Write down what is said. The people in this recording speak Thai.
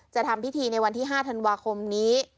จะทำพิธีในวันที่๕ธันวาคมนี้